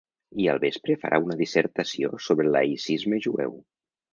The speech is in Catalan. I al vespre farà una dissertació sobre el laïcisme jueu.